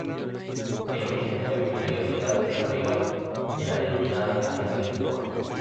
El origen de esta biblioteca digital está arraigado en la denominada Agenda de Lisboa.